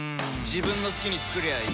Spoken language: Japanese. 自分の好きに作りゃいい